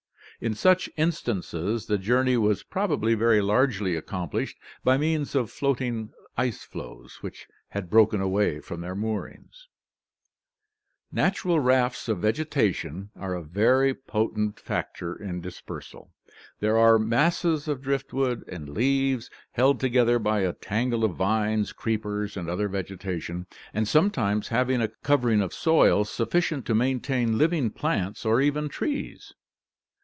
In such instances, the jour ney was probably very largely accomplished by means of floating ice floes which had broken away from their moorings. 6o ORGANIC EVOLUTION Natural rafts of vegetation are a very potent factor in dispersal. These are masses of driftwood and leaves held together by a tangle of vines, creepers, and other vegetation, and sometimes having a covering of soil sufficient to maintain living plants or even trees.